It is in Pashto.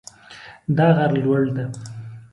دا غر لوړ ده